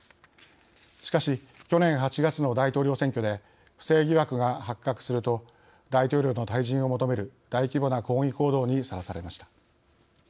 しかし、去年８月の大統領選挙で不正疑惑が発覚すると大統領の退陣を求める大規模な抗議行動にさらされました。